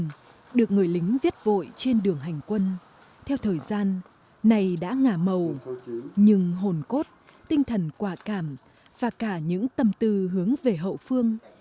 những lá thư này được người lính viết vội trên đường hành quân theo thời gian này đã ngả màu nhưng hồn cốt tinh thần quả cảm và cả những tâm tư hướng về hậu phương